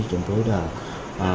chúng tôi đã